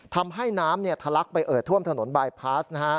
ทำให้น้ำทะลักไปเอ่อท่วมถนนบายพาส